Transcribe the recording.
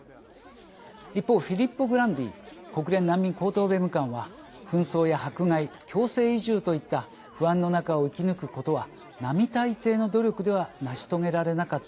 一方フィリッポ・グランディ国連難民高等弁務官は「紛争や迫害強制移住といった不安の中を生き抜くことは並大抵の努力では成し遂げられなかったでしょう。